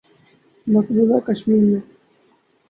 مقبوضہ کشمیر میں